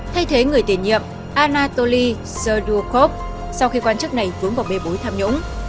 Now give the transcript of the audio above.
thay thế người tiền nhiệm anatoly serdukov sau khi quan chức này vướng vào bê bối tham nhũng